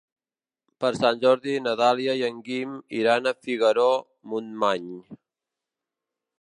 Per Sant Jordi na Dàlia i en Guim iran a Figaró-Montmany.